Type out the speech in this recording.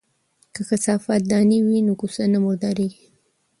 که کثافات دانی وي نو کوڅه نه مرداریږي.